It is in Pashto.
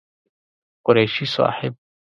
قريشي صاحب